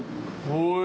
おい！